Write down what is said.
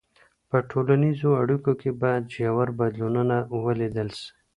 په ټولنیزو اړیکو کي باید ژور بدلونونه ولیدل سي.